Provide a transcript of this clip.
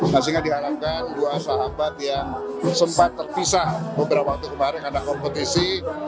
sehingga diharapkan dua sahabat yang sempat terpisah beberapa waktu kemarin karena kompetisi